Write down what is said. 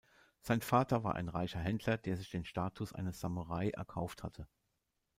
Sein Vater war ein reicher Händler, der sich den Status eines Samurai erkauft hatte.